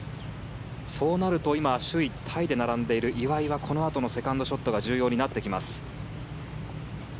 そうなると今、首位タイで並んでいる岩井はこのあとのセカンドショットが重要になってきます。